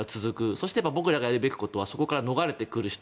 そして、僕らがやるべきことはそこから逃れてくる人